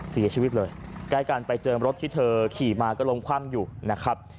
เสียชีวิตเลยใกล้กันไปเจอรถที่เธอขี่มาก็ลงคว่ำอยู่นะครับ